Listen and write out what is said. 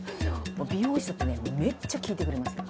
美容師だってねめっちゃ聞いてくれますよ。